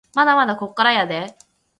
まだまだこっからやでぇ